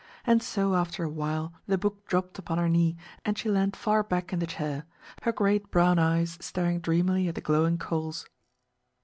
And so after a while the book dropped upon her knee and she leaned far back in the chair, her great brown eyes staring dreamily at the glowing coals.